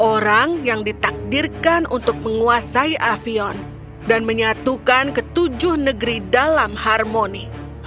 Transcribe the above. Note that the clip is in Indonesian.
orang yang ditakdirkan untuk menguasai avion dan menyatukan ketujuh negeri dalam harmoni